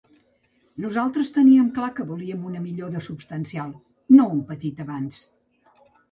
Nosaltres teníem clar que volíem una millora substancial, no un petit avanç.